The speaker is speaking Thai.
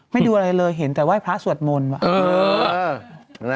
ดูอะไรเลยเห็นแต่ไหว้พระสวดมนต์ว่ะ